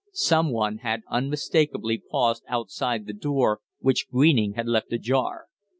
Some one had unmistakably paused outside the door which Greening had left ajar.